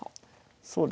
そうですね。